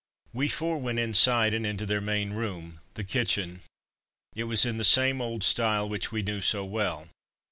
We four went inside, and into their main room the kitchen. It was in the same old style which we knew so well.